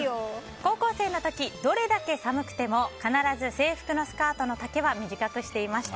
高校生の時、どれだけ寒くても必ず制服のスカートの丈は短くしていました。